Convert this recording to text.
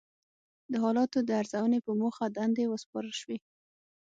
د حالاتو د ارزونې په موخه دندې وسپارل شوې.